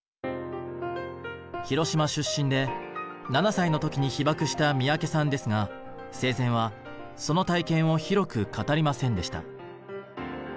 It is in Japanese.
広島出身で７歳の時に被爆した三宅さんですが生前はその体験を広く語りませんでした。